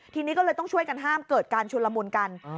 ทีนี้ก็เลยต้องช่วยกันห้ามเกิดการชุนละมุนกัน